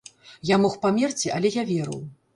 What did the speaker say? Я мог памерці, але я верыў.